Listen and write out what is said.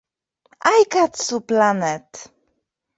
Aikatsu Planet!